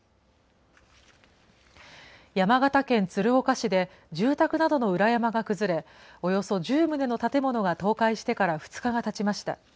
山形県鶴岡市で、住宅などの裏山が崩れ、およそ１０棟の建物が倒壊してから２日がたちました。